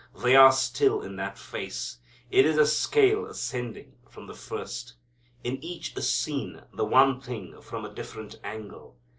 They are still in that face. It is a scale ascending from the first. In each is seen the one thing from a different angle.